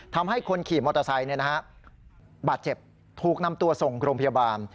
ทำให้คนขี่มอเตอร์ไซค์บาดเจ็บถูกนำตัวส่งโรงพยาบาล